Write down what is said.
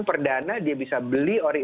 perdana dia bisa beli oleh